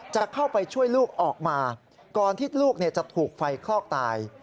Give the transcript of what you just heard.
จะเข้าไปช่วยลูกออกมาก่อนที่ลูกจะถูกไฟคลอกตาย